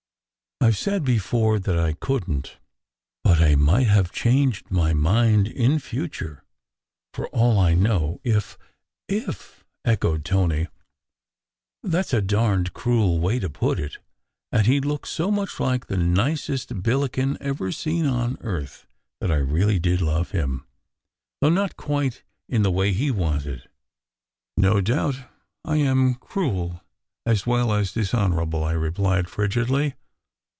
I ve said before that I couldn t. But I might have changed my mind in future, for all I know, if "" If !" echoed Tony. "That s a darned cruel way to put it! " And he looked so much like the nicest Billiken ever seen on earth that I really did love him, though not quite in the way he wanted. "No doubt I am cruel as well as dishonourable," I replied frigidly.